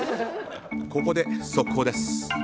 ここで速報です。